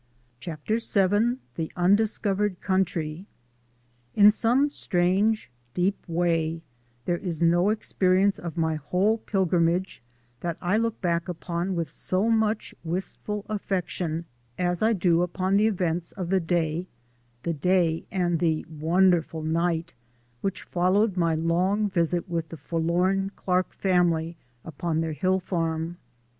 CHAPTER VII. THE UNDISCOVERED COUNTRY In some strange deep way there is no experience of my whole pilgrimage that I look back upon with so much wistful affection as I do upon the events of the day the day and the wonderful night which followed my long visit with the forlorn Clark family upon their hill farm.